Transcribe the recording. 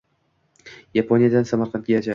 Yaponiyadan Samarqandga